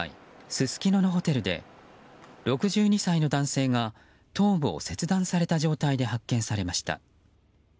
すすきののホテルで６２歳の男性が頭部を切断された状態で発見されました。